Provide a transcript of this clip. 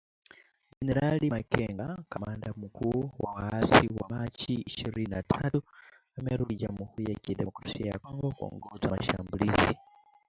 Jenerali Makenga, kamanda mkuu wa Waasi wa Machi ishirini na tatu amerudi Jamuhuri ya kidemokrasia ya Kongo kuongoza mashambulizi